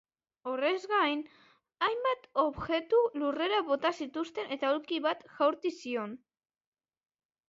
Horrez gain, hainbat objektu lurrera bota zituen eta aulki bat jaurti zion.